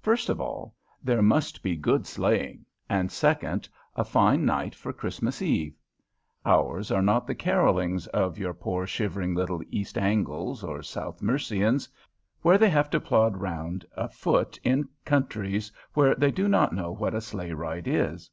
First of all there must be good sleighing, and second, a fine night for Christmas eve. Ours are not the carollings of your poor shivering little East Angles or South Mercians, where they have to plod round afoot in countries where they do not know what a sleigh ride is.